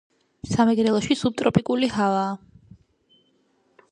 სამეგრელოში სუბტროპიკული ჰავაა